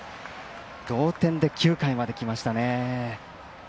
同点で９回まできましたね。